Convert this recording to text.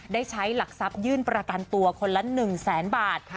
ได้ใช้หลักทรัพยื่นประกันตัวคนละ๑แสนบาท